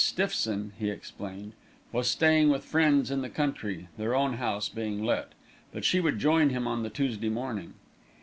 Stiffson, he explained, was staying with friends in the country, their own house being let; but she would join him on the Tuesday morning.